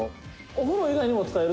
「お風呂以外にも使える？」